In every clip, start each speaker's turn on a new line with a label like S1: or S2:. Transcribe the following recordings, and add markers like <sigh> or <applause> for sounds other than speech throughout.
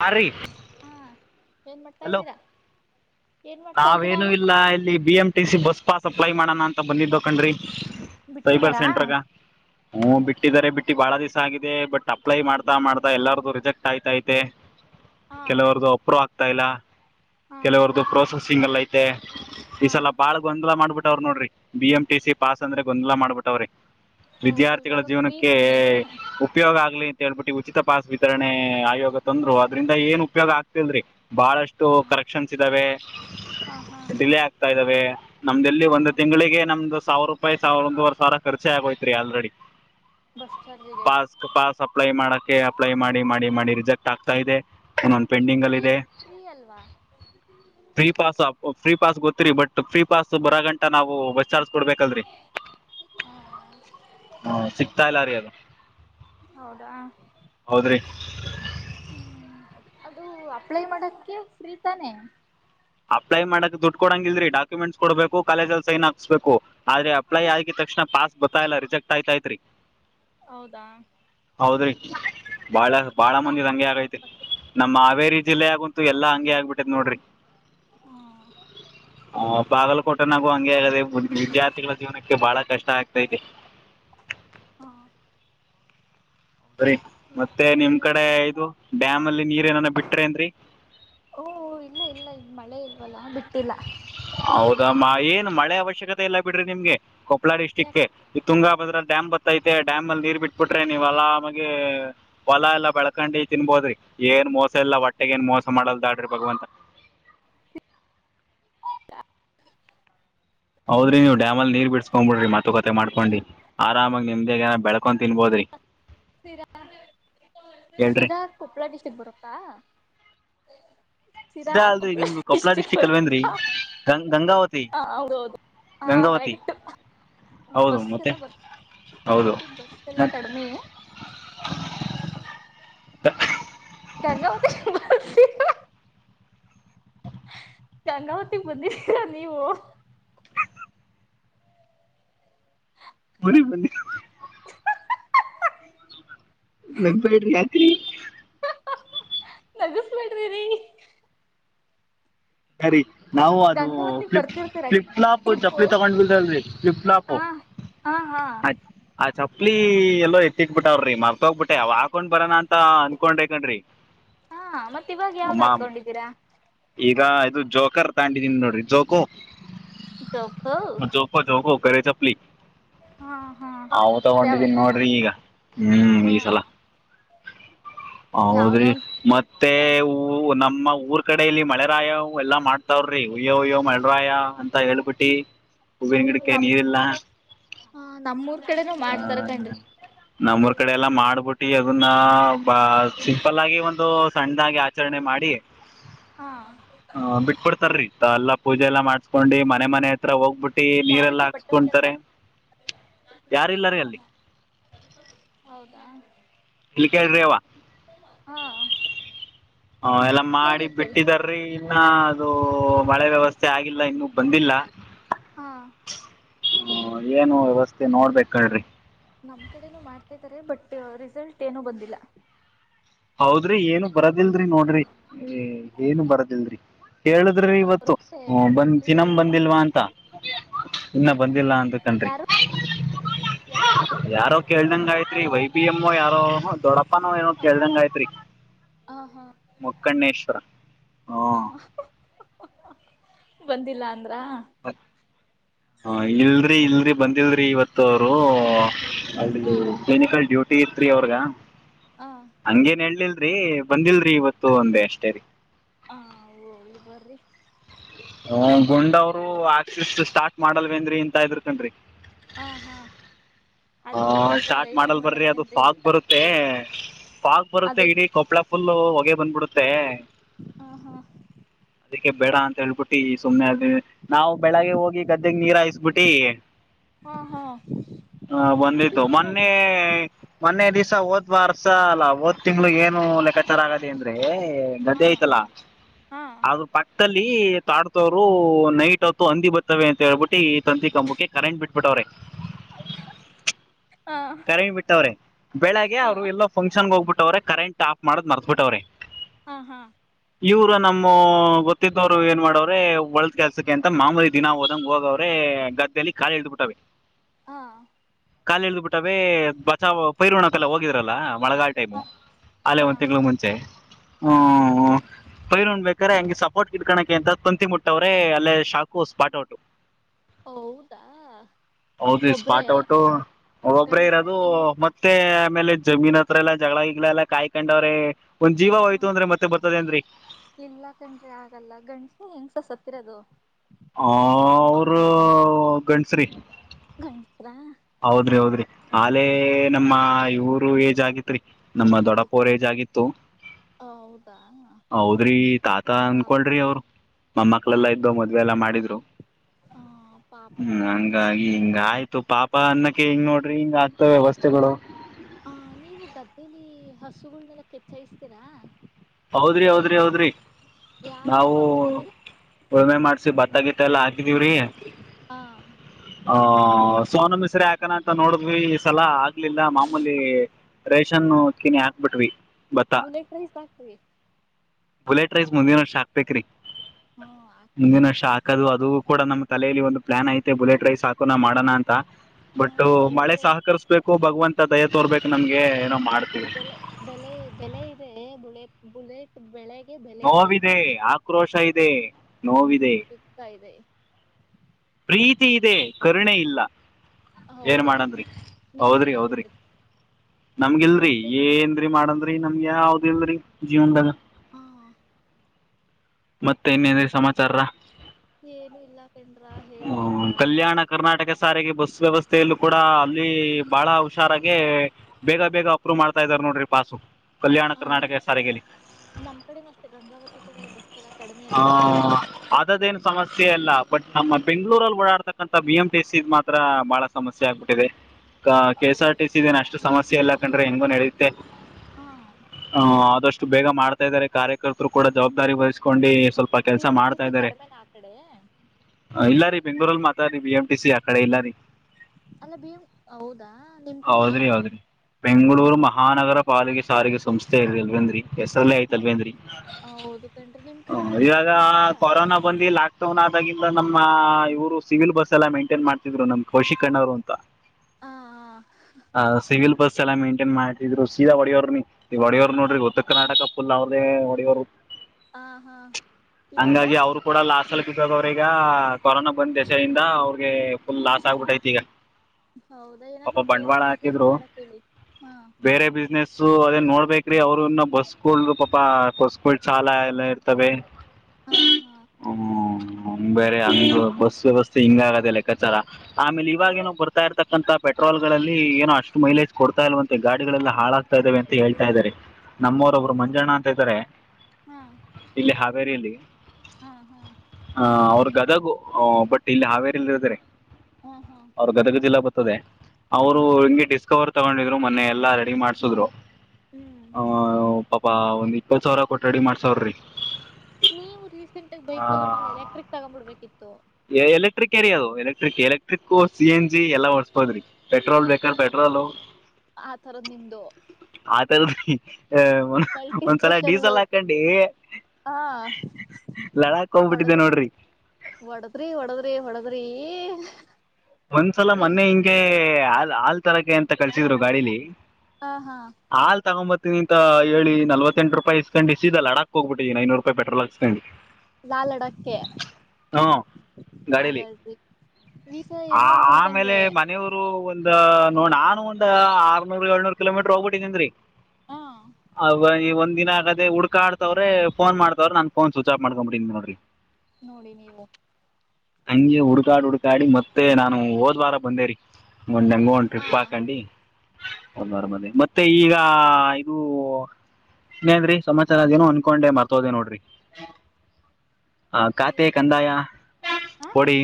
S1: ತಾರೀಫ್.
S2: ಹಾ ಏನ್ ಮಾಡ್ತಾ್ದೀರಾ.
S1: ನಾವೇನು ಇಲ್ಲ ಇಲ್ಲಿ B M T C bus pass apply ಮಾಡೋಣ ಅಂತ ಬಂದಿದ್ದ ಕಣ್ರಿ. ಫೈ
S2: ಬಿಟ್ಟಿದಾರಾ
S1: ಪರ್ಸೆಂಟ್ರಾಗ.
S2: <unintelligible>
S1: ಹ್ಮಞ ಬಿಟ್ಟಿದ್ದಾರೆ ಬಿಟ್ಟಿ ಬಹಳ ಡಿಮ್ಯಾಂಡ್ ದಿವಸ ಆಗಿದೆ ಬಟ್ ಅಪ್ಲೈ ಮಾಡ್ತಾ ಮಾಡ್ತಾ ಎಲ್ಲಾರ್ದು ರಿಜೆಕ್ಟ್ ಆಯ್ತಾೈತೆ.
S2: ಹಾ
S1: ಕೆಲವರ್್ದ ಅಪ್ರೋ ಆಗ್ತಾ ಇಲ್ಲ
S2: ಹಾ
S1: ಕೆಲವರ್್ದ ಪ್ರೋಸೆಸಿಂಗ್ ಎಲ್ಲ ಐತ. ಮತ್ತೆ ಈ
S2: ಹಾ
S1: ಸಲ ಬಾಳ್ ಗೊಂದಲ ಮಾಡ್ಬಿಟ್ಟವ್ರರು ನೋಡ್ರಿ. ಬಿ ಎಮಂ ಟ ಸಿ ಪಾಸ್ ಅಂದ್ರೆ ಗೊಂದಲಾ ಮಾಡ್ಬಿಟ್ಟವ್ರಿ.
S2: ಹೌದು
S1: ವಿದ್ಯಾರ್ಥಿಗಳ
S2: ಇವಾಗ
S1: ಜೀವನಕ್ಕೆ
S2: ಫ್ರೀನಾ ನಿಮಗೆ
S1: ಉಪಯೋಗ ಆಗ್ಲಿ. ಹೇಳ್ಬಿಟ್ಟಿ ಉಚಿತ ಪಾಸ್ ವಿತರಣೆ ಆಯೋಗ ತಂದ್ರು ಅದ್ರಿಂದ ಏನ್ ಉಪಯೋಗ ಆಗ್ತಿಲ್ರರಿ ಬಹಳಷ್ಟು.
S2: ಹ
S1: ಇ ಕರೆಕ್ಷನ್ಸ್ ಇದ್ದಾವೆ
S2: ಹಾ ಹಾ
S1: ಡಿಲೇ ಆಗ್ತಾ ಇದ್ದಾವೆ. ನಮ್ದೆಲ್ಲಿ
S2: ಹಾ
S1: ಒಂದು್ ತಿಂಗಳಿಗೆ ನಮ್ದು ಸಾವಿರ ರೂಪಾಯಿ ಸಾವಿರ ಒಂದುವರೆ ಸಾವಿರ ಖರ್ಚಿ ಆಗೋಯತ್ರಿ ಆಲ್ರೆಡಿ.
S2: ಬಸ್ ಚಾರ್ಜ್ಿಗೆ.
S1: ಪಾಸ್ ಪಾಸ್ ಅಪ್ಲೈ ಮಾಡೋಕ್ಕೆ ಅಪ್ಲೈ ಮಾಡಿ ಮಾಡಿ ಮಾಡಿ ರಿಜೆಕ್ಟ್ ಆಗ್ತಾ ಇದೆ ಇನ್ನೊಂದು ಪೆಂಡಿಂಗ
S2: ಫ್ರೀ
S1: ಅಲ್ಲಿದೆ.
S2: ಫ್ರೀ ಅಲ್ವಾ.
S1: ಫ್ರೀ ಪಾಸ್ ಫ್ರೀ ಪಾಸ್ ಗೊತ್ತರಿ ಬಟ್ ಫ್ರೀ ಪಾಸ್ ಬರಂ. ನಾವು ಬಸ್ಾರ್ಸ್ ಕೊಡ್ಬೇಕಲ್ರೀ
S2: ಹ
S1: ಹ ಸಿಗ್ತಾ ಇಲ್ಲ ರೀ ಅದು.
S2: ಹೌದಾ.
S1: ಹೌದ್ರಿ
S2: ಹ್ಮ್ ಅದು ಅಪ್ಲೈ ಮಾಡದಕ್ಕೆ ಫ್ರೀ ತಾನೆ.
S1: ಅಪ್ಲೈ ಮಾಡಕಕ್ ದುಡ್ಡು ಕೊಡಂಗಿದ್ರ ಡಾಕ್ಯುಮೆಂಟ್ಸ್ ಕೊಡ್ಬೇಕು ಕಾಲೇಜ ಅಲ್ಲಿ ಸೈನ್ ಹಾಕ್ಸ್ಬೇಕು. ಆದ್ರೆ ಅಪ್ಲೈ
S2: ಅದು
S1: ಆಗಿದ ತಕ್ಷಣ ಪಾಸ್ ಗೊತ್ತಾ ಇಲ್ಲ ರಿಜೆಕ್ಟ್ ಆಯ್ತಾೈತ್ರಿ.
S2: ಹೌದಾ.
S1: ಹೌದ್ರಿ ಬಾಳ ಬಾಳ
S2: ಅಕ್ಕ
S1: ಮಂದಿ ಹಂಗೆ ಆಗೈತಿ. ನಮ್ಮ್ಾವೇರಿ ಜಿಲ್ಲೆ ಆಗುಂತು ಎಲ್ಲ ಹಂಗೆ ಆಗ್ಬಿಟ್ಟೇ್ ನೋಡ್ರಿ.
S2: ಹಾ
S1: ಹ ಬಾಗಲಕೋಟೆನಾಗು ಹಂಗೆ ಆಗದೆ ವಿದ್ಯಾರ್ಥಿಗಳ ಜೀವನಕ್ಕೆ ಬಹಳ ಕಷ್ಟ ಆಗ್ತೈದೆ.
S2: ಹಾ-
S1: ರಿ ಮತ್ತೆ ನಿಮ್
S2: ಇಲ್
S1: ಕಡೆ ಇದು ಡ್ಯಾಮ್ ಅಲ್ಲಿ ನೀರ್ ಏನಾನ ಬಿಟ್ರ ಏನ್ರಿ.
S2: ಹಓ ಇಲ್ಲ ಇಲ್ಲ ಈಗ ಮಳೆ ಇಲ್ವಲ್ಲ ಬಿಟ್ಟಿಲ್ಲ.
S1: ಹೌದಮ್ಮ ಏನ್ ಮಳೆ ಅವಶ್ಯಕತೆ ಇಲ್ಲ ಬಿಡ್ರಿ ನಿಮ್ಗೆ ಕೊಪ್ಪಳ
S2: ಯಾಕ
S1: ಡಿಸ್ಟ್ರಿಕ್ಗೆ. ಈ ತುಂಗಾಭದ್ರ ಡ್ಯಾಮ್ ಬತ್ತೈತೆ ಡ್ಯಾಮ್ ಅಲ್ಲಿ ನೀರ್ ಬಿಟ್ಬಿಟ್ರೆ ನೀವ ಅಲಾಮಗೆ. ಹೊಲ ಎಲ್ಲ ಬೆಳ್ಕಂಡಿ ತಿನ್ಬೋದ್ರಿ ಏನ್ ಮೋಸ ಇಲ್ಲ ಹೊಟ್ಟೆಗ ಏನ್ ಮೋಸ ಮಾಡಲ್ದಾಡ್ರಿ ಭಗವಂತ. ಹೌದ್ರಿ ನೀವು ಡ್ಯಾಮ ಅಲ್ಲಿ ನೀರ್ ಬಿಡ್ಸ್ಕ್ಂಬ ಬಿಡ್ರಿ ಮತುಕತೆ ಮಾಡ್ೊಂಡು ಆರಾಮಾಗಿ ನಿಮ್ದೇಏ ಬೆಳ.
S2: <unintelligible> ಸಿರಾ
S1: ಹೇಳ್ರಿ
S2: ಸಿರ. ಕೊಪ್ಪಳ ಡಿಸ್ಟ್ರಿಕ್ ಬರಪ್ಪಾ ಶರಾ
S1: ಸೀದಾ ಅಲ್ರಿ
S2: ಕೊಪ್ಪಳ
S1: ನಿಮ್ದು
S2: ಡಿಸ್ಟ್ರಿಕ್
S1: ಡಿಸ್ಟಿಕ್
S2: ಬರು.
S1: ಅಲ್ವೇನ್ರಿ ಗಂಗಾವತಿ
S2: ಹ ಹೌದೌದು
S1: ಗಂಗಾವತಿ
S2: ಹಾಾಗಿತ್ತು. ಹ
S1: ಹೌದು
S2: ಬಸ್
S1: ಮತ್ತೆ
S2: ಎಲ್ಲ ಬ
S1: ಹೌದು
S2: ಪರವತಿ ಬಸ್ ಎಲ್ಲ
S1: ಮತ್ತ
S2: ಕಡಿಮೆ. ಕನ್ನ <inaudible> ಹೊತ. ಗನ್ಗಾವತಿ ಬಂದಿರ್ೀರ ನೀವು. ಹಾ-
S1: <inaudible> ನನ್ಬೇಡ್ರಿ ಯತ್ರಿ.
S2: ನಗಿಸ್ಬೇಡ್ರಿರಿ.
S1: ಸರಿ ನಾವು ಅದು
S2: ಗಂಗಾವತಿಗ್
S1: ಫ್ಲಿಪ್
S2: ಬರ್ತಿರ್ತೀರ
S1: ಫ್ಲಿಪ್ಲಾಪ್
S2: ಟ್ರಿಪ್ಪು
S1: ಚಪ್ಪಲಿ ತಗೊಂಡ್ ಬಲ್ದಲ್ರಿ ಫ್ಲಿಪ್ಲಾಪ್.
S2: ಹಾ ಹಾ ಹಾ-
S1: ಆ ಚಪ್ಲಿ ಎಲ್ಲೋ ಎತ್ತಿಟ್ಬಿಟ್ಟಾವ್ರೀ ಮರ್ಕೋಗ್ಬಿಟ್ಟೆ ಅವ ಹಾಕೊಂಡ್ ಬರಾನ ಅಂತ ಅನ್ಕೊಂಡ್ರ ಕನ್್ರಿ.
S2: ಹಾ ಮತ್ತತ್ ಇವಾಗ ಯಾವ್ದ್ ಹಾಕೊಂಡಿದ್ದೀರಾ.
S1: ಈಗ ಇದು ಜೋಕರ್ ತಗಂಡೊಂಡಿದೀಿ ನೋಡ್ರಿ ಜೋಕೋ.
S2: ಚೊಕ.
S1: ದು ಹೋಗೋ ಗರೆ ಚಪ್ಲಿ
S2: ಹಾ ಹಾ
S1: ನಾವು
S2: ಅದ್ಯಾವ
S1: ತಗೊಂಡಿದೀನಿ ನೋಡಿ. ರಿ ಈಗ ಹ್ಮ್
S2: ಹ
S1: ಈ ಸಲ.
S2: ಯಾವ್ದೋ
S1: ಹೌದ್ರಿ
S2: ಒಂದ
S1: ಮತ್ತೆ
S2: ಯ
S1: ನಮ್ಮ ಊರ್. ಈ ಕಡಲಿ ಮಳೆರಾಯ ಎಲ್ಲಾ ಮಾಡ್ತಾವ್ರಿ ಉಯ್ಯೋ ಅಯ್ಯೋ ಮಳೆರಾಯ ಅಂತ ಹೇಳ್ಬಿಟ್ಟಿ.
S2: ಅವ್ರು
S1: ಹೂಂಗಡಕ್ಕೆ
S2: ನಮ್
S1: ನೀರು ಎಲ್ಲಾ.
S2: ಹ ನಮ್ಮೂರ್ ಕಡೆನೂ
S1: ಹ
S2: ಮಾಡ್ತಾರ ಕಣ್ರಿ
S1: ನಮ್ಮೂ್ರ ಕಡೆ ಎಲ್ಲ ಮಾಡ್ಬಿಟ್ಟು. ಟ್ಟಿ ಅದನ್ನ ಬ ಸಿಂಪಲ್ ಆಗಿ ಒಂದು ಸಣ್ಣದಾಗಿ ಆಚರಣೆ ಮಾಡಿ.
S2: ಹಾ
S1: ಹ ಬಿಟ್ಕೊಡ್ತಾರಿ ಎಲ್ಲಾ ಪೂಜೆ ಎಲ್ಲ ಮಾಡ್ಸ್ಕೊಂಡು ಮನೆ ಮನೆ. ಹತ್ರ ಹೋಗ್ಬಿಟ್ಟಿ ನೀರೆಲ್ಲ
S2: ಯಾರಿದಾರ ಬಟ್ಟೆ ಹೋಗಿ ಹತ್ರ
S1: ಹಾಕ್ಸ್ಕೊತಾರೆ ಯಾರಿಲ್ಲಾರಿ
S2: ಹ
S1: ಅಲ್ಲಿ.
S2: ಹೌದಾ.
S1: ಇಲ್ಲಿ ಕೇಳ್ರಿವ.
S2: ಹಾ-
S1: ಹ ಎಲ್ಲ ಮಾಡಿ
S2: ಹೇಳಿ ಹೇಳಿ
S1: ಬಿಟ್ಟಿದಾರೀ ಇನ್ನ ಅದು ಮಳೆ ವ್ಯವಸ್ಥೆ ಆಗಿಲ್ಲ ಇನ್ನು. ಬಂದಿಲ್ಲ
S2: ಹಾ
S1: ಹ ಏನು ವ್ಯವಸ್ಥೆ ನೋಡ್ಬೇಕಲ್್ರಿ.
S2: ನಮ್ ಕಡೆನೂ ಮಾಡ್ತಾಾರೆ ಬಟ್ ರಿಸಲ್ಟ್ ಏನುೂ ಬಂದಿಲ್ಲ.
S1: ಹೌದ್ರಿ ಏನು ಬರದಿಲ್ರಿ ನೋಡ್ರಿ ಏನು ಬರದಿಲ್ರಿ ಕೇಳುದ. ಆದ್ರ ಇವತ್ತು
S2: ಬರುತ್ತೆ
S1: ಹ
S2: ಎವ್ರಿ
S1: ಬಂದ್ ಿನಮ್
S2: ಇಯರ್
S1: ಬಂದಿಲ್ವಾ ಅಂತ. ಇನ್ನ ಬಂದಿಲ್ಲ ಅಂತ ಕಣ್ರಿ.
S2: ಯಾರು ಯಾರು.
S1: ಯಾರೋ ಕೇಳ್ದಂಗ ಯತ್ರಿ ವೈ ಬಿ ಎಂ ಯಾರೋ ದೊಡಪ್ಪನೋ ಏೋ ಕೇಳ್ದಂಗ ಆ್ತಿ.
S2: ಹ ಹಾ
S1: ಮೊಕ್ಕಣ್ಣೇಶ್ವರ ಹಾ.
S2: ಹ ಬಂದಿಲ್ಲ ಅಂದ್ರ.
S1: ಹ ಇಲ್ರಿ ಇಲ್ರಿ ಬಂದಿಲ್ರಿ ಇವತ್ತು ಅವರು. ಅಲ್ಲಿ
S2: ಹಾ
S1: ಕ್ಲಿನಿಕಲ್ ಡ್ಯೂಟಿ ಇತ್ರಿ ಅವ್ರಗ.
S2: ಹಾ-
S1: ಹಂಗೇನ್ ಹೇಲಿಲ್ರಿ ಬಂದಿಲ್ರಿ ಇವತ್ತು ಒಂದ ಅಷ್ಟೇ ರೀ.
S2: ಹಾ ಹೋಗಲಿ ಬರ್ರಿ.
S1: ಹ
S2: ಅಲ್ಲೇನಿದೆ
S1: ಗೊಂಡವ್ರು ಆಕ್ಸಿಸ ಸ್ಟಾರ್ಟ್ ಮಾಡಲ್ವೇನ್ಿ ಇಂತ ಇದ್ರ ಕನ್್ರಿ.
S2: ಹಾ ಹಾ-
S1: ಹ
S2: ಅದ್ ಇಂಡೈರೆಕ್ಟ್ ಆಗಿ
S1: ಸ್ಟಾರ್ಟ್
S2: ರೈಡರ್
S1: ಮಾಡಲ್ ಬರ್ರಿ ಅದು
S2: ಮಾಡಲ್ವೇನ್ರಿ
S1: ಪಫಾಗ್.
S2: ಅಂತ
S1: ಮತ್ತ ಪಾಕ್ ಬರುತ್ತೆ
S2: ಅದು
S1: ಇಡೀ ಕೊಪ್ಪಳ ಫುಲ್ಲು ಹೊಗೆ ಬಂದ್ಬಿಡುತ್ತೆ.
S2: ಹ ಹಾ-
S1: ಅದಕ್ಕೆ ಬೇಡ ಅಂತ ಹೇಳ್ಬಿಟ್ಟಿ ಸುಮ್ಮ್ನೆ ಆದ ನಾವು ಬೆಳಗ್ಗೆ ಹೋಗಿ ಗದ್ದೆೆಗೆ ನೀರಾ ಹಾಯಿಸಬಿಟ್ಟಿ.
S2: ಹಾ ಹಾ-
S1: ಹ
S2: ಇದು
S1: ಬಂದಿತ್ತು
S2: ನೀವು
S1: ಮೊನ್ನೆ. ಮೊ ದಿವಸ ಓದ್ ಬಾರಸ ಅಲ್ಲ ಓದ್ ತಿಂಗಳಗ್ ಏನು ಲೆಕ್ಕ. ಆಗದೆ ಅಂದ್ರೆ
S2: ಹಾ
S1: ಗದ್ದೆ ಐ್ತಲ್ಲ
S2: ಹಾ
S1: ಆದ್ರೂ ಪ. ಹತ್ತಲ್ಲಿ ತಾಡ್ತವ್ರು ನೈಟ್ ಹೊತ್ತು ಹಂದಿ ಬರ್ತವೆ ಅಂತ ಹೇಳ್ಬಿಟ್ಟಿ ಈ ತಂತಿ ಕಂಬಕ್ಕೆ ಕರೆಂಟ್ ಬಿಟ್ಬಿಟ್ಟವ್ರೆ.
S2: ಹಾ
S1: ಕರೆಂಡ್ ಬಿಟ್ಟವ್ರೆ ಬೆಳಿಗ್ಗೆ
S2: ಹಾ
S1: ಅವ್ರು
S2: ಹಾ
S1: ಎಲ್ಲೋ ಫಂಕ್ಷನ್ಗೆ ಹೋಗ್ಬಿಟ್ಟವ್ರೆ ಕರೆಂಟ್ ಆಫ್ ಮಾಡೋದ್ ಮರ್ದಬಿಟ್ಟವ್ರಿ.
S2: ಹಾ ಹಾ
S1: ಇವ್ರು ನಮ್ಮ ಗೊತ್ತಿದ್ದವ್ರು ಏನ್ ಮಾಡೋವ್ರೆ ಒಳದ ಕೆಲ್ಸಕ್ಕೆ ಅಂತ ಮಾಮೂಲಿ ದಿನ ಹೋದಂಗಗೆ ಹೋದವ್ರೆ ಗದ್ದೆ ಯಲ್ಲಿ ಕಾಲ ಇಟ್ಟ ಬಿಟ್ಟವರೇ
S2: ಹಾ
S1: ಕಾಲಿಟ್ಟಿಬಿಟ್ಟಾವೇ ಬಚಾವ ಪೈರುಣಕಲ್ಲ ಹೋಗಿದ್ರಲ್ಲ ಮಳಗಾ ಟೈಮು ಅ ಒಂದು ತಿಂಗಳು ಮುಂಚೆ
S2: ಹಾ
S1: ಹುಂ ಹ್ ಪೈರ್ ಉಣ್ ಬೇಕ್ರೆ ಹಂಗೆ ಸಪೋರ್ಟ್ ಹಿಡ್ಕೊಳ್ಳೋಕೆ ಅಂತಾ ತಂತಿ ಮುಟ್ಟವ್ರೆ ಅಲ್ಲೇ ಶಾಕು ಸ್ಪಾಟ್ ಔಟು
S2: ಹೌದಾ
S1: ಹೌದು
S2: ಒಬ್ರೆ
S1: ಸ್ಪಾಟ್ ಔಟು
S2: <unintelligible>
S1: ಮತ್ತ ಆಮೇಲೆ ಜಮೀನ್ ಹತ್ರ ಎಲ್ಲಾ ಜಗಳಾ ಗಿಗಳಾ ಎಲ್ಲಾ ಕಾಯ್ಕೊಂಡವ್ರೆ ಒಂದ ಜೀವ ಹೋಯ್ತು ಅಂದ್ರೆ ಮತ್ತೆ ಬರ್ತದೇ ಏನ್ರಿ
S2: ಇಲ್ಲಾ ಕಂಡ್ರಿ ಆಗಲ್ಲಾ ಗಂಡಸ ಹೆಂಗಸು ಸತ್ತಿರೋದು
S1: ಆ ಆ ಅವರು ಗಂಡಸ್ರೀ
S2: ಗಂಡಸರಾ
S1: ಹೌದ್ರಿ ಹೌದ್ರಿ ಆಲೆೇ ನಮ್ಮ ಇವರು ಏಜ್ ಆಗಿತ್ತ ತ್ರೀ ನಮ್ಮ ದೊಡ್ಡಪ್ಪೊ ಎಜ್ ಆಗಿತ್ತು.
S2: ಹ ಹೌದಾ
S1: ಹೌದ್ರಿ ತಾತ ಅನ್
S2: ಪಾಪ
S1: ಕೋಡ್ರಿ ಅವರು ತಮ್ಮಕ್ಳೆಲ್ಲಾ
S2: ಪಾಪ
S1: ಇದ್ದವು ಮದ್ವೆ ಎಲ್ಲಾ ಮಾಡಿದ್ರು.
S2: ಆ ಪಾಪ
S1: ಹ್ಮ್
S2: ನೋಡಿ
S1: ಹಂಗಾಗಿ ಹಿಂಗ ಆಯ್ತು ಪಾಪ ಅನ್ನಕ್ಕೆ ಹಿಂಗ ನೋಡ್ರಿ ಹಿಂಗ್ ಆಗತಾವ ವ್ಯವಸ್ಥೆಗಳು
S2: ಹ ನೀವು ಗದ್ದೇಲಿ ಹಸುಗಳನೆಲ್ಲಾ ಕೆಚ್ಚಾಯಸ್ತೀರಾ
S1: ಹೌದ್ರಿ ಹೌದ್ರಿ ಹೌದ್ರಿ
S2: ಯಾವ್ಯಾವ
S1: ನಾವು
S2: ಹಬ್ಬದಲ್ಲಿ
S1: ಉಳಮೆ ಮಾಡ್ಸಿ ಭತ್ತ ಗೀತ್ತಾ ಎಲ್ಲಾ ಹಾಕಿದೀವ್ರಿ
S2: ಹಾ
S1: ಹ ಸೋನು ಮಿಸ್ರ ಯಾಕಾನ ಅಂತ ನೋಡಿದ್ವಿ ಸಲ ಆಗ್ಲಿಲ್ಲಾ ಮಾಮೂಲಿ ರೇಷನ್ ಅಕ್ಕಿನೇ ಹಾಕ್ಬಿಟಿವಿ
S2: bullet rice <unintelligible>
S1: bullet rice B ಹಾಕ್ಬೇಕರೀ ಮುಂದಿನ ವರ್ಷ ಹಾಕ್ಬೇಕ್ರೀ
S2: ಹಾ ಹಾಕ್ರಿ
S1: ಮುಂದಿನ ವರ್ಷಾ ಹಾ ಕದು ಅದು ಕೂಡ ನಮ್ಮ್ ತಲೇಲಿ ಒಂದು ಪ್ಲಾನ್ ಐತೆ ಬುಲೆಟ್ ರೈಸ್ ಹಾಕು ನ ಮಾಡೋಣ ಅಂತಾ ಬಟ್
S2: ಹೌದು ಒಳ್ಳೆ
S1: ಮಳೆ ಸಹಕರಿಸ್ಬೇಕು ಭಗವಂತ ದಯೆ ತೋರ್ಬೇಕು ನಮ್ಗೆ ಏನೊ
S2: ಆ ಬೆಲೆ ಬೆಲೆ ಬೆಲೆ ಇದೆ ಬುಲೆಟ್ ಬೆಳೆಗೆ ಬೆಲೆ ಇದೆ.
S1: <unintelligible> ಕ್ರೋಶ ಇದೆ.
S2: ಹುಂ
S1: ನೋವಿದೆ
S2: ಸುಕ್ತಾ ಇದೆ.
S1: ಪ್ರೀತಿ ಇದೆ ಕರುಣೆ ಇಲ್ಲಾ ಏನ್
S2: ಹೌದು ಕಣ್
S1: ಮಾಡಂದ್ರಿ ಹೌದ್ರಿ
S2: ನಿಮ್ಗಿಲ್ಲ
S1: ಹೌದ್ರಿ.
S2: ಬಿಡ್ರಿ
S1: ನಮ್ಗಿಲ್ರಿ
S2: ನೆನ್ಪೆ
S1: ಏ ಏನ್ರಿ ಮಾಡಂಬ್ರಿ ನಮ್ಗೆಾವದು ಇಲ್ರಿ ಜೀವನ್ದಾಗ
S2: ಹಾ
S1: ಮತ್ತೆ ಏನ್ ಏನ್ ಸಮಾಚಾರಾ.
S2: ಏನು ಇಲ್ಲಾ ಕಂಡ್ರ
S1: ಹ್ಮ್
S2: ಹೇಳ್ಬೇಕಾ
S1: ಕಲ್ಯಾಣ ಕರ್ನಾಟಕ ಸಾರಿಗೆ ಬಸ್ ವ್ಯವಸ್ಥೆಯಲ್ಲೂ ಕೂಡ ಅಲ್ಲಿ ಬಹಳ ಹುಷಾರಾಗೆ ಬೇಗ ಬೇಗ ಅಪ್ರೂವ್ ಮಾಡ್ತಾ ಇದಾರೆ ನೋಡ್ರಿ ಪಾಸು ಕಲ್ಯಾಣ ಕರ್ನಾಟಕ ಸಾರಿಗೆಲ್ಲಿ.
S2: ನಮ್ಮ್ ಕಡೆ ಅಷ್ಟೆ ಗಂಗಾವತಿ ಕಡೆ ಇದೆ.
S1: ಹ ಅದದೇನ್ ಸಮಸ್ಯೆ ಅಲ್ಲ ಬಟ್ ನಮ್ಮ ಬೆಂಗಳೂರಲ್ಲಿ ಓಡಾಡ್ತಕ್ಕಂತ ಬಿ ಎಂ ಟ ಸಿ ಮಾತ್ರ ಬಹಳ. ಸಮಸ್ಯೆ ಆಗ್ಬಿಟ್ಟಿದೆ ಕ ಕೆ
S2: ಹೌ
S1: ಎಸ್ ಆರ್ ಟಿ ಸಿ ಏನ್ ಅಷ್ಟು ಸಮಸ್ಯೆ ಇಲ್ಲಾ ಕಂಡ್ರಿ ಹೆಂಗು ನಡೆಯುತ್ತೆ.
S2: ಹಾ
S1: ಹ ಆದಷ್ಟು ಬೇಗ ಮಾಡ್ತಾ ಇದ್ದಾರೆ ಕಾರ್ಯಕರ್ತರು ಕೂಡ ಜವಾಬ್ದಾರಿ ವಹಿಸಕೊಂಡಿ ಸ್ವಲ್ಪ.
S2: ಬಿ
S1: ಕೆಲಸ
S2: ಎಂ ಟಿ
S1: ಮಾಡ್ತಾ
S2: ಸಿ
S1: ಇದ್ದಾರೆ
S2: ಕಡಿಮೆನಾ ಆಕಡೆ.
S1: ಇಲ್ಲ ರೀ ಬೆಂಗಳೂರಲ್ಲಿ ಮಾತ್ರಾರಿ ಬಿ ಎಂ ಟ ಸಿ ಆ ಕಡೆ ಇಲ್ಲ ರೀ.
S2: ಅಲ್ಲ ಬಿ ಎಮ ಹೌದಾ ನಿಮ್ ಕಡೆ ಇಲ್ಲ.
S1: ಹೌದ್ರಿ ಹೌದ್ರಿ ಬೆಂಗಳೂರು ಮಹಾನಗರ ಪಾಲಿಕೆ ಸಾರಿಗೆ ಸಂಸ್ಥೆ <unintelligible> ಅಲ್ವೇಂದ್ರಿ ಹೆಸರಲ್ಲೇ ಐತ್
S2: ಹ
S1: ಅಲ್ವೇಂದ್ರಿ.
S2: ಹೌದು ಕಣ್ರಿ ನಿಮ್.
S1: ಹ
S2: ಕಡೆ ಬಿ ಎಂ ಟಿ
S1: ಇವಾಗ
S2: ಸಿ ಇಲ್ವಾ
S1: ಕೊರೋನಾ ಬಂದಿ ಲಾಕ್. ಡೌನ್ ಆದಾಗಿಂದ ನಮ್ಮ ಇವ್ರು ಸಿವಿಲ್ ಬಸ್ ಎಲ್ಲ ಮೈಂಟೈನ್ ಮಾಡ್ತಿದ್ರು ನಮ್ ಕೌಶಿಕ ಅಣ್ಣವ್ರು ಅಂತ.
S2: ಹ
S1: ಹ ಸಿವಿಲ್ ಬಸ್ ಎಲ್ಲ ಮೇಂಟೈನ್ ಮಾಡಿದ್ರು ಸೀದಾ ಹೊಡೆಯೋರ್ ನೀ ಈ ಹೊಡೆಯೋರು
S2: ಹ
S1: ನೋಡ್ರಿ ಉತ್ತರ ಕರ್ನಾಟಕ ಫುಲ್ ಅವರದೇ ಹೋಡೆಯವ್ರು.
S2: ಹಾ ಹಾ ಇವಾಗ
S1: ಹಂಗಾಗಿ ಅವ್ರು. ಕೂಡ ಲಾಸಲ್ಲಿ ಬಿದ್ದಿಗೋವ್ರೆ ಈಗ ಕೊರೋನಾ ಬಂದ ದೇಸೆಯಿಂದ ಅವ್ರಿಗೆ ಫುಲ್ ಲಾಸ್ ಆಗ್ಬಿಟ್ಟೈತಿಗ.
S2: ಹೌದಾ ಏನಾದ್ರು ಬೇರೆ ಬಿಸ್ನೆಸ್
S1: ಹಾಕಿದ್ರು
S2: ಮಾಡಕ ಹೇಳಿ ಹಾ.
S1: ಬೇರೆ ಬಿಸ್ನೆಸು ಅದೇ ನೋಡ್ಬೇಕ್ರೀ ಅವ್ರು ಇನ್ನ ಬಸ್ಗೊಳ್ದು ಪಪ ಬಸ್ಗೋಳ ಚಾಲ ಲ ಇರ್ತವೆ.
S2: ಹಾ ಹಾ
S1: ಹ್ಮ್ ಬೇರೆ ಹಂಗ ಬಸ್ ವ್ಯವಸ್ಥೆ ಹಿಂಗ ಆಗದೇ ಲೆಕ್ಕಾಚಾರ ಆಮೇಲೆ
S2: ಅವ್ರೇ
S1: ಇವಾಗೇನೋ ಬರ್ತ. ಆಗ್ತಾ ಇರ್ತಕ್ಕಂತ ಪೆಟ್ರೋಲ್ ಗಳಲ್ಲಿ ಏನೋ ಅಷ್ಟು ಮೈಲೇಜ್ ಕೊಡ್ತಾ ಇಲ್ವಂತೆ ಗಾಡಿಗಳೆಲ್ಲ ಹಾಳಾಗ್ತಾ ಇದಾವೆ ಅಂತ ಹೇಳ್ತಾ ಇದ್ದಾರೆ. ನಮ್ಮವರೊಬ್ರು
S2: ಹೌದಾ
S1: ಮಂಜಣ್ಣ ಅಂತ ಇದ್ದಾರೆ.
S2: ಹಾ
S1: ಇಲ್ಲಿ ಹಾವೇರಿಯಲ್ಲಿ.
S2: ಹಾ ಹಾ
S1: ಹ ಅವ್ರ ಗದಗು ಬಟ್ ಇಲ್ಲಿ ಹಾವೇರಿಲ್ಲಿ ಇರ್ದರೆ.
S2: ಹ್ ಹ್ಮ್
S1: ಅವ್ರ ಗದಗ ಜಿಲ್ಲಾ ಬರ್ತದೆ ಅವ್ರು ಹಿಂಗೆ ಡಿಸ್ಕವರ್ ತಗೊಂಡಿದ್ರು ಮೊನ್ನೆ ಎಲ್ಲಾ ರಡಿ ಮಾಡ್ಸದ್ರು.
S2: ಹ್ಮ್
S1: ಹ ಪಾಪ ಒಂದ್ ಇಪ್ಪತ್ ಸಾವ್ರ ಕೊಟ್ಟ ರಡಿ ಮಾಡ್ಸಾವ್ರಿ.
S2: ನೀವು ರೀಸೆಂಟಾಗಿ ಬೈಕ್ ತಗೊಂಡ್ರಲ್ಲ ಎಲೆಕ್ಟ್ರಿಕ್ ತಗೊಂಬಿಡ್ಬೇಕಿತ್ತು.
S1: ಎಲೆಕ್ಟ್ರಿಕೇರಿ ಅದು electric electric C N G ಎಲ್ಲ ಓಡಿರ್ಸ್ಬೋದ್ರಿ. ಪೆಟ್ರೋಲ್ ಬೇಕಾರ ಪೆಟ್ರೋಲು.
S2: ಆಥರದ ನಿಮ್ದು.
S1: ಆತರದ ಒ
S2: ಮಲ್ಟಿ
S1: ಒಂದ್ಸಲ
S2: ಸ್ಪೆಷಲ್
S1: ಡೀಸೆಲ್ ಹಾಕಂಡಿ.
S2: ಹಾ
S1: ಲಡಾಕ್ ಹೋಗ್ಬಿಟ್ಟಿದ್ದೆ ನೋಡ್ರಿ.
S2: ಒಡದ್ರಿ ಒಡದ್ರಿ ಹೊಡದ್ರಿ.
S1: ಒಂದ್ಸಲ
S2: ಎಷ್ಟ
S1: ಮೊನ್ನೆ ಹಿಂಗೆ ಆಲ್ ಹಾಲ್ ತರಕೆ ಅಂತ ಕಳ್ಸಿದ್ರು ಗಾಡಿಲಿ.
S2: ಹಾ ಹಾ
S1: ಹಾ ತಗೊಂಬತಿನಂತ ಹೇಳಿ ನವತ್ತೆಂಟ ರೂಪಾಯಿ ಇಸ್ಕಂಡಿ ಸೀದಾ ಲಡಾಕ್ ಹೋಗ್ಬಿಟ್ಟಿದೀನಿ ಐನೂರುಪಾಯಿ ಪೆಟ್ರೋಲ್ ಹಾಕ್ಸ್ಕೊಂಡಿ.
S2: ಯಾ ಲಡಕ್ಕೆ
S1: ಹ್ಞೂ
S2: ಹಾಗ
S1: ಗಾಡೀಲಿ
S2: ವೀಸಾ ಏನು ಇಲ್ದಿದಂಗೆ.
S1: ಒಂದ ನ ನಾನು ಒಂದ್ ಆರ್ನೂರ್ ಏಳ್ನೂರ್ ಕಿಲೋಮೀಟರ್ ಹೋಗ್ಬಿಟ್ಟಿದಿಂದ್ರಿ.
S2: ಹ
S1: ಅವ ನೀ ಒಂದಿನ ಆಗದೆೇ ಹುಡ್ಕಾಡ. ತವ್ರೆ ಫೋನ ಮಾಡತವ್ರೆ ನನ್ ಫೋನ ಸ್ವಿಚ್ ಆಫ್ ಮಾಡ್ಕೊಮ್ ಬಿಟ್ಟಿನ್ ನೋಡ್ರಿ.
S2: ನೋಡಿ ನೀವು
S1: ಹಂಗೆ ಹುಡುಕಾಡಿ ಹುಡ್ಕಾಡಿ ಮತ್ತೆ ನಾನು ಹೋದ್ ವಾರ ಬಂದೇರಿ. ಒಂದೆಂಗೋ ಒಂದ್ ಟ್ರಿಪ್
S2: ಹ
S1: ಹಾಕಂಡಿ. ಒಂದ್ ವಾರ ಮನೆ ಮತ್ತೆ ಈಗ ಇದು. ಇನ್ ಎನ್ರೀ ಸಮಾಚಾರ ಅದೇನೋ ಅನ್ಕೊಂಡೆ ಮರ್ತೋದೇ ನೋಡ್ರಿ.
S2: <unintelligible>
S1: ಹ ಕಾತೆ ಕಂದಾಯ. ಪೋಡಿ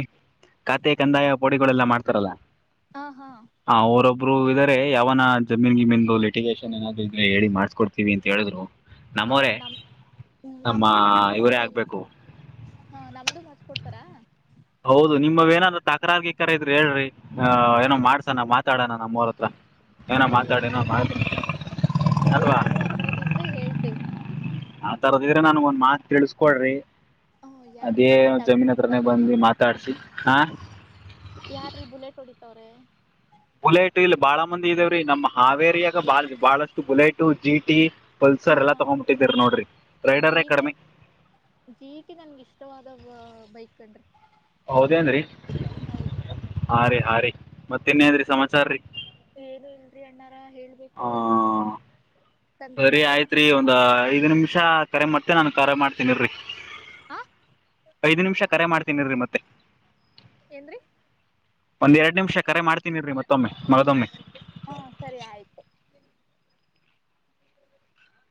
S1: ಖಾತೆ ಕಂದಾಯ ಪೋಡಿಗಳೆಲ್ಲ ಮಾಡ್ತಾರಲ್ಲ.
S2: ಹಾ ಹಾ
S1: ಹ ಅವರೊಬ್ರು ಇದಾರೆ ಯಾವನ ಜಮೀನ್ ಗಿಮೀನ್ ಲಿಟಿಗೇಶನ್ ಏನಾದ್ರು ಇದ್ರೆ ಹೇಳಿ ಮಾಡಸ್ಕೊಡ್ತೀವಿ ಅಂತ ಹೇಳಿದ್ರು.
S2: ಹ
S1: ನಮ್ಮವರೇ
S2: ನಮ್
S1: ನಮ್ಮ ಇವರೇ ಆಗ್ಬೇಕು.
S2: ಹಾ ನಮ್ದು ಮಡ್ಸಕೊಡ್ತಾರಾ.
S1: ಹೌದು ನಿಮ್ಮವೇನಾದ್ರೂ ತಕರಾರ್ ಗಿಕರ ಇದ್ರೇ ಹೇಳ್ರಿ. ಹ ಏನೋ ಮಾಡ್ಸಣ ಮಾತಾಡನ ನಮ್ಮೋರ್ ಹತ್ರ. ಏನ
S2: ಸರಿ
S1: ಮಾತಾಡಿ ಎನೋ
S2: ಆಯ್ತು
S1: ಮಾಡ್ರೀ ಅಲ್ವ.
S2: ತರದಿದ್ರೆ ಹೇಳ್ತೀವಿ.
S1: ಆ ತರದಿದ್ರೆ ನನಗ್ ಒಂದ್ ಮಾತ್ ತಿಳ್ಸು. ಕೊಡ್ರಿ
S2: ಹ
S1: ಅದೇ
S2: ಯಾರ್ರೀ ಬುಲೆಟ್ ಹಂಗ್
S1: ಜಮೀನ್ ಹತ್ರನೇ
S2: ಹೊಡಿತವ್ರಿ
S1: ಬಂದು ಮಾತಾಡ್ಸಿ ಹಾ.
S2: ಯಾರ್ರೀ ಬುಲೆಟ್ ಹೊಡಿತಾವ್ರೆ.
S1: ಬುಲೆಟ್ ಇಲ್ಲಿ ಬಾಳ ಮಂದಿ ಇದೇವ್ರೀ ನಮ್ಮ ಹಾವೇರಿಯಾಗ ಬಾಳ ಬಹಳಷ್ಟು ಬುಲೆಟ್ಟು ಜೀಟಿ.
S2: ಹಾ
S1: ಪಲ್ಸರ್ ಎಲ್ಲಾ
S2: ಹಾ
S1: ತಗೊಂಡ್ಂಬಿಟ್ಟಿದ್ದೀರ್ ನೋಡ್ರಿ ರೈಡರ್ರೇ ಕಡಿಮಿ.
S2: ಜೀಟಿ ನನ್ಗೆ ಇಷ್ಟವಾದ ಬೈಕ್ ಕನ್ರೀ.
S1: ಹೌದೇನ್ರೀ ಹಾ ರೀ ಹಾ ರೀ ಮತ್ತ್ ಇನ್ ಎನ್ರೀ ಸಮಾಚಾರೀ.
S2: ಏನು ಇಲ್ರಿ ಅಣ್ಣಾರೇ ಹೇಳ್ಬೇಕು
S1: ಆ,
S2: ನಿಮ್ಮ. ತಂದೆ
S1: ಸರಿ
S2: ತಾಯಿ ಎಲ್ಲ
S1: ಆಯ್ತ್ರಿ ಒಂದ್
S2: ಚೆನ್ನಾಗಿದ್ದಾರಾ
S1: ಐದು ನಿಮಿಷ ಕರೆ ಮಾತ್ತೇ ನಾನ್ ಕರೆ ಮಾಡ್ತೀನಿ ಇರ್ರೀ.
S2: ಹ
S1: ಐದ್ ನಿಮಿಷ ಕರೆ ಮಾಡ್ತೀನಿ ಇರ್ರೀ ಮತ್ತೆ
S2: ಏನ್ರೀ.
S1: ಒಂದ್ ಎರಡ್ ನಿಮಷ ಕರೆ ಮಾಡ್ತೀನಿ ಇರ್ರೀ ಮತ್ತೊಮ್ಮೆ ಮಗದೊಮ್ಮೆ.
S2: ಹಾ ಸರಿ ಆಯ್ತು. <inaudible>